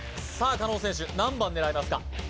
加納選手何番狙いますか？